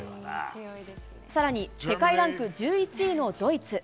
さらに世界ランク１１位のドイツ。